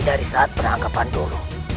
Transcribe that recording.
dari saat penangkapan dulu